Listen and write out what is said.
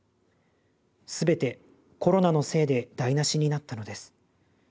すべてコロナのせいで台なしになったのです。